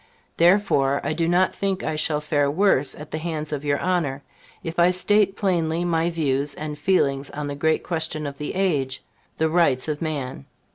Therefore I do not think I shall fare worse at the hands of your Honor, if I state plainly my views and feelings on the great question of the age the rights of man.